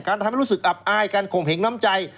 ทำให้รู้สึกอับอายการข่มเหงน้ำใจ